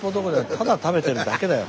ただ食べてるだけだよ。